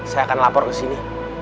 saya akan lapor ke sini